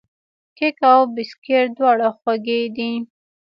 کیک او بسکوټ دواړه خوږې دي.